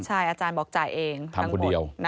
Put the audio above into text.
ใช่อาจารย์บอกจ่ายเองทั้งคนเดียว